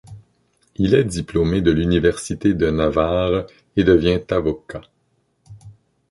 Il est diplômé de l'Université de Navarre et devient avocat.